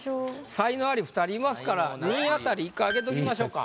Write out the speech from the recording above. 才能アリ２人いますから２位あたり１回開けときましょうか。